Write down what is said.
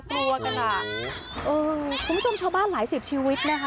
กลัวกันอ่ะเออคุณผู้ชมชาวบ้านหลายสิบชีวิตนะคะ